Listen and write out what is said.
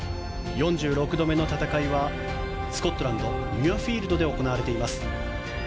４６度目の戦いはスコットランドミュアフィールドで行われています。